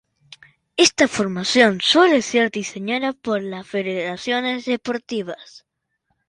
Esta formación suele ser diseñada por las federaciones deportivas.